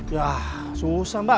yah susah mbak